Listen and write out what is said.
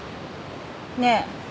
ねえ？